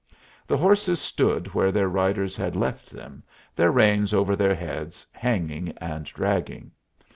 The horses stood where their riders had left them, their reins over their heads, hanging and dragging.